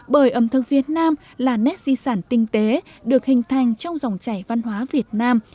bởi ẩm thực việt nam là nét di sản tinh tế được hình thành trong dòng chảy văn hóa việt nam